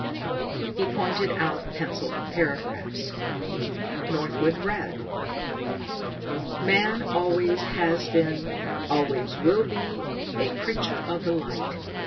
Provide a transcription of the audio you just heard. He pointed out penciled paragraphs. Northwood read: Man always has been, always will be a creature of the light.